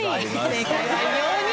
正解は４人！